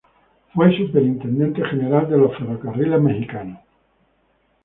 Fue superintendente general de los ferrocarriles mexicanos.